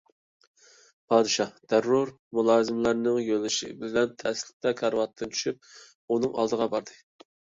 پادىشاھ دەررۇ مۇلازىملىرىنىڭ يۆلىشى بىلەن تەسلىكتە كارىۋاتتىن چۈشۈپ ئۇنىڭ ئالدىغا باردى.